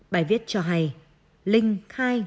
bài viết cho hay linh khai lý do chết